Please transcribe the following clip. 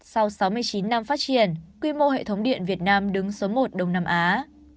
sau sáu mươi chín năm phát triển quy mô hệ thống điện việt nam đứng số một đông nam á